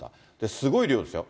すごい量ですよ。